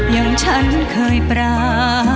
อย่างฉันเคยปรา